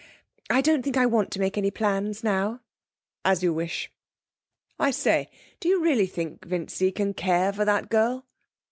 I don't think I want to make any plans now.' 'As you wish. I say, do you really think Vincy can care for that girl?'